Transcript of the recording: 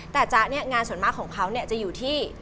แต่จ๊ะเนี่ยงานส่วนมากของเขาจะอยู่ที่